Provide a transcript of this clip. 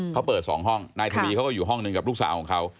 เขาเปิด๒ห้องนายทวีเขาก็อยู่ห้องหนึ่งกับลูกสาวของเขา